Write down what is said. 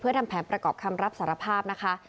เพื่อทำแผนประกอบคำรับศาลภาพนะคะ